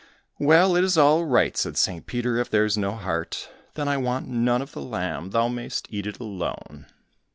"Well, it is all right," said St. Peter, "if there is no heart, then I want none of the lamb; thou mayst eat it alone."